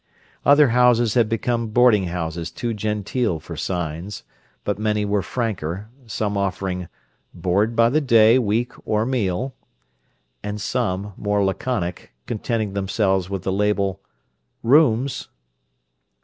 Other houses had become boarding houses too genteel for signs, but many were franker, some offering "board by the day, week or meal," and some, more laconic, contenting themselves with the label: "Rooms."